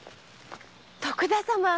徳田様